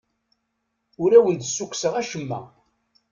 Ur awen-d-ssukkseɣ acemma.